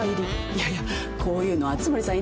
いやいやこういうの熱護さん